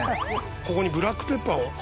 ここにブラックペッパーを。